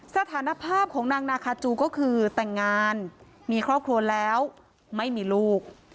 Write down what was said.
สถานภาพของนางนาคาจูก็คือแต่งงานมีครอบครัวแล้วไม่มีลูก